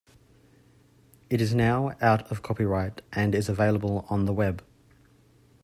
It is now out of copyright and is available on the web.